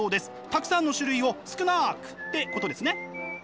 たくさんの種類を少なくってことですね。